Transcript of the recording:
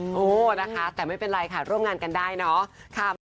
โอ้โหนะคะแต่ไม่เป็นไรค่ะร่วมงานกันได้เนาะ